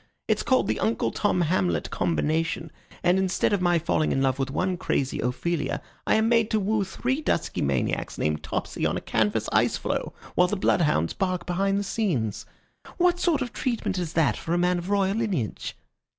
It's called the Uncle Tom Hamlet Combination, and instead of my falling in love with one crazy Ophelia, I am made to woo three dusky maniacs named Topsy on a canvas ice floe, while the blood hounds bark behind the scenes. What sort of treatment is that for a man of royal lineage?"